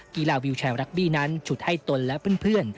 กีฬาวิวแชร์รักบี้นั้นฉุดให้ตนและเพื่อน